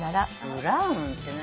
ブラウンって何？